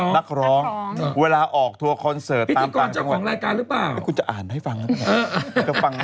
พิธีกรหรือนักร้อง